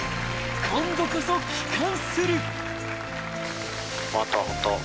［今度こそ帰還する］